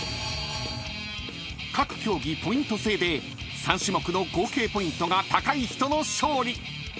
［各競技ポイント制で３種目の合計ポイントが高い人の勝利］